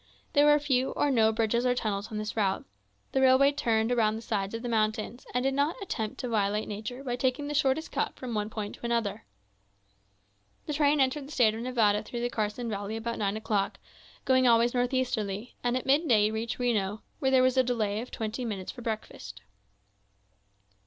There were few or no bridges or tunnels on the route. The railway turned around the sides of the mountains, and did not attempt to violate nature by taking the shortest cut from one point to another. The train entered the State of Nevada through the Carson Valley about nine o'clock, going always northeasterly; and at midday reached Reno, where there was a delay of twenty minutes for breakfast.